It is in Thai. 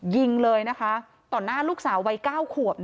ยิงเลยนะคะต่อหน้าลูกสาววัย๙ขวบ